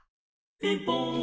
「ピンポン」